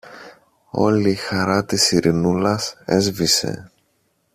Όλη η χαρά της Ειρηνούλας έσβησε.